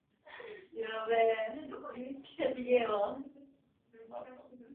These, however, required rigging before flight.